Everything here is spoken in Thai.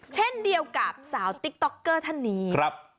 เช่นเดียวกับสาวติ๊กต๊อกเกอร์ท่านนี้ครับ